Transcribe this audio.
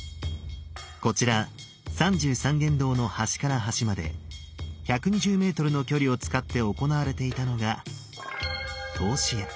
こちら三十三間堂の端から端まで１２０ｍの距離を使って行われていたのが「通し矢」。